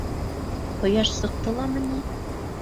— Ҡояш сыҡты ламы ни?